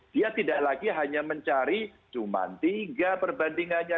dia tidak lagi hanya mencari cuma tiga perbandingannya